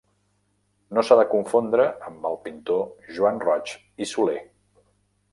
No s'ha de confondre amb el pintor Joan Roig i Soler.